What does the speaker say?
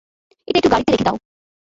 এটা একটু গাড়িতে রেখে দাও।